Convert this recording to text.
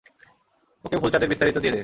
ওকে ফুলচাঁদের বিস্তারিত দিয়ে দে।